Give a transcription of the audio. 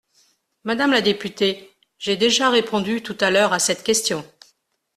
Madame la députée, j’ai déjà répondu tout à l’heure à cette question.